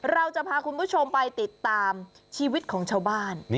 เราจะพาคุณผู้ชมไปติดตามชีวิตของชาวบ้าน